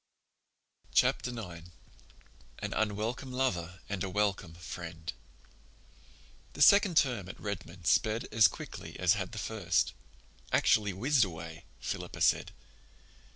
Chapter IX An Unwelcome Lover and a Welcome Friend The second term at Redmond sped as quickly as had the first—"actually whizzed away," Philippa said.